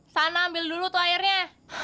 sana ambil dulu tuh airnya